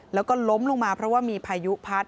แล้วก็ล้มลงมาเพราะว่ามีพายุพัด